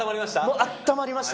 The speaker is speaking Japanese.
あったまりました。